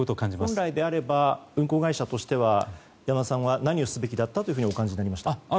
本来であれば運航会社としては山田さんは何をすべきだったかとお感じになりますか？